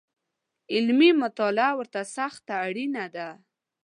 علمي مطالعه ورته سخته اړینه ده